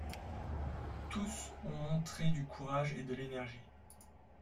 Tous ont montré du courage et de l’énergie.